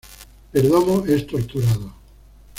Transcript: Perdomo es torturado.